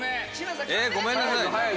えっごめんなさい。